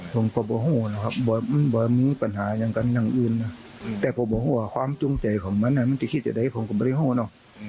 ผมก็บ่โห้นะครับมันบ่มีปัญหาอย่างกันอย่างอื่นแต่ผมบ่โห้ว่าความจงใจของมันมันจะคิดจะได้ผมก็บ่โห้เนาะ